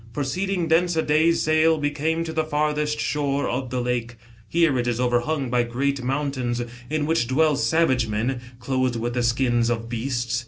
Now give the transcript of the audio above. Proceed ing thence a day's sail, we came to the farthest shore of the lake. Here it is overhung by great mountains, in which dwell savage ryen, clothed with the skins of beasts.